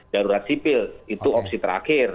darurat sipil itu opsi terakhir